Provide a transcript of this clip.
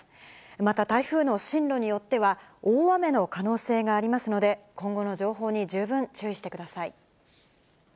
また台風の進路によっては、大雨の可能性がありますので、今後の情報に十分注意してください。